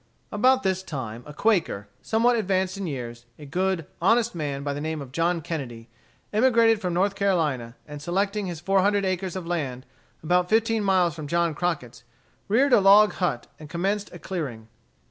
About this time a Quaker, somewhat advanced in years, a good, honest man, by the name of John Kennedy, emigrated from North Carolina, and selecting his four hundred acres of land about fifteen miles from John Crockett's, reared a log hut and commenced a clearing.